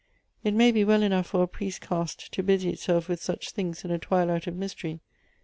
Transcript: It may be well enough for a priest caste to busy itself with such things in a twilight of mystery.